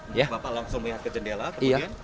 bapak langsung melihat ke jendela kemudian